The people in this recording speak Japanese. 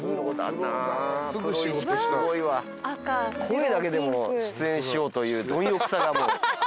声だけでも出演しようという貪欲さがもう。